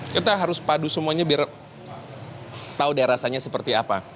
kita harus padu semuanya biar tahu deh rasanya seperti apa